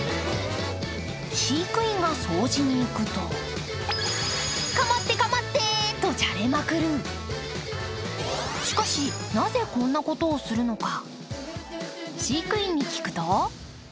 飼育員が掃除に行くと、構って構ってとじゃれまくる、しかし、なぜこんなことをするのか。